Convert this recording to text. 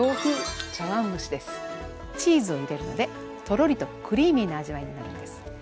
チーズを入れるのでとろりとクリーミーな味わいになるんです。